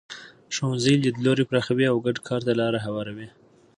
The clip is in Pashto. ښوونځي لیدلوري پراخوي او ګډ کار ته لاره هواروي.